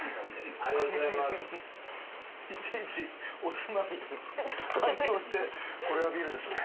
いちいちおつまみに反応して「これはビールですね」